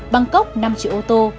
bangkok năm triệu ô tô